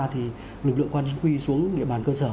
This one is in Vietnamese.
thì lực lượng công an chính quy xuống địa bàn cơ sở